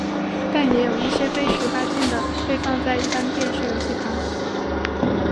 但也有一些非十八禁的被放在一般电视游戏旁。